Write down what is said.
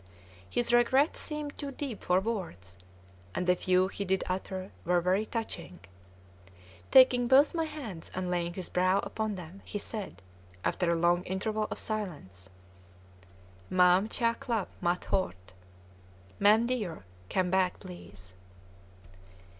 His regret seemed too deep for words, and the few he did utter were very touching. Taking both my hands and laying his brow upon them, he said, after a long interval of silence, "Mam cha klap ma thort!" "Mam dear, come back, please!"